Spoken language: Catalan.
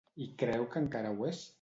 I creu que encara ho és?